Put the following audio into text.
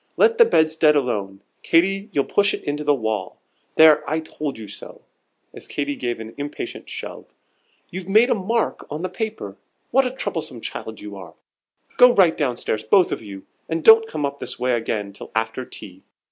Let the bedstead alone, Katy, you'll push it into the wall. There, I told you so!" as Katy gave an impatient shove, "you've made a bad mark on the paper. What a troublesome child you are! Go right down stairs, both of you, and don't come up this way again till after tea.